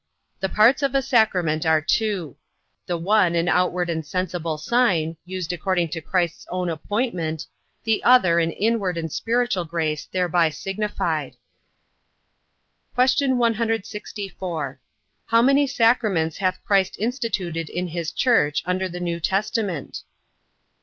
The parts of a sacrament are two; the one an outward and sensible sign, used according to Christ's own appointment; the other an inward and spiritual grace thereby signified. Q. 164. How many sacraments hath Christ instituted in his church under the New Testament?